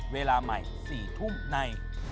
เวลาใหม่๔ทุ่มใน